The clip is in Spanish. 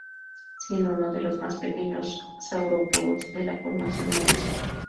Siendo uno de los más pequeños saurópodos de la Formación Morrison.